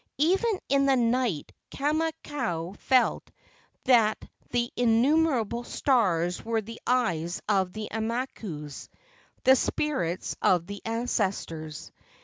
Even in the night Kamakau felt that the innumerable stars were the eyes of the aumakuas (the spirits of the an¬ cestors).